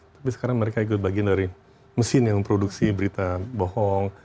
tapi sekarang mereka ikut bagian dari mesin yang memproduksi berita bohong